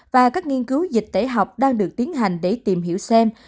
và các nghiên cứu dịch tễ học đang được tiến hành để tìm hiểu xem